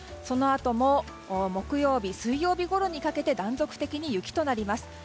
そのあとも木曜日、水曜日ごろにかけて断続的に雪となります。